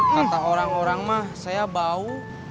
kata orang orang mah saya bau